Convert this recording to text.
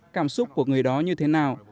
cảm xúc của người đó như thế nào